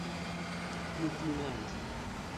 Clu Clu Land